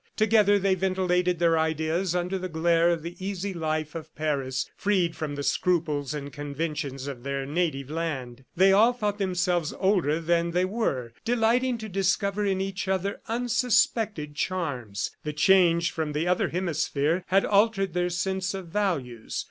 Together they ventilated their ideas under the glare of the easy life of Paris, freed from the scruples and conventions of their native land. They all thought themselves older than they were, delighting to discover in each other unsuspected charms. The change from the other hemisphere had altered their sense of values.